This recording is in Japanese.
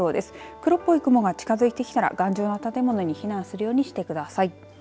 黒っぽい雲が近づいてきたら頑丈な建物に避難するにしてください。